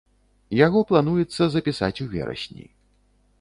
Яго плануецца запісаць у верасні.